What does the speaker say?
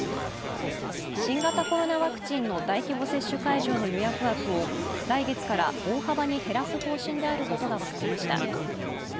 新型コロナワクチンの大規模接種会場の予約枠を来月から大幅に減らす方針であることが分かりました。